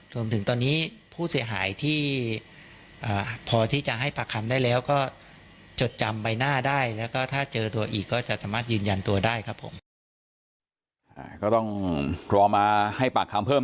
จนถึงตอนนี้ผู้เสียหายที่พอที่จะให้ปากคำได้แล้วก็จดจำใบหน้าได้แล้วก็ถ้าเจอตัวอีกก็จะสามารถยืนยันตัวได้ครับผม